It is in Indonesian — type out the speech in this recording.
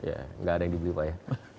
enggak ada yang dibeli pak ya